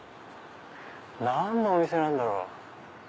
何のお店なんだろう？